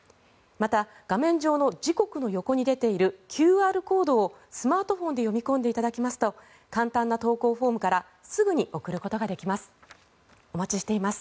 また画面上の時刻の横に出ているＱＲコードをスマートフォンで読み込んでいただきますと簡単な投稿フォームからすぐに送ることができます。